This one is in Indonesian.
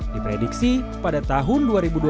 diprediksi pada tahun dua ribu dua puluh